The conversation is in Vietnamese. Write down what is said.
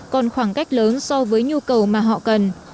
còn khoảng cách lớn so với nhu cầu mà họ cần